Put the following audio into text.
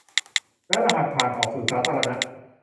และรหัสผ่านออกสู่สาธารณะ